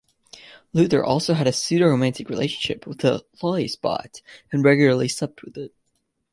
Luthor also had a pseudo-romantic relationship with the "Loisbot", and regularly slept with it.